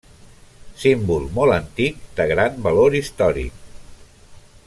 Símbol molt antic de gran valor històric.